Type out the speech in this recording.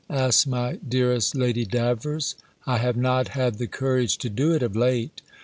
asks my dearest Lady Davers. I have not had the courage to do it of late.